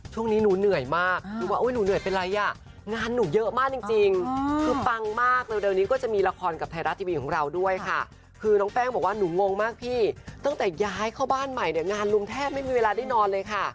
ช่วงนี้หนูเหนื่อยมาก